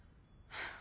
フッ！